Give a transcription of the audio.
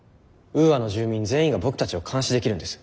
ウーアの住民全員が僕たちを監視できるんです。